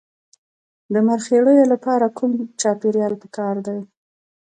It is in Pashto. د مرخیړیو لپاره کوم چاپیریال پکار دی؟